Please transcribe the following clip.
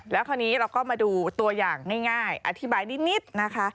แล้วคราวนี้เราก็มาดูตัวอย่างง่ายอธิบายนิดนะคะ